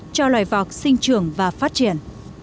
cho loài vọt sinh trường và phát triển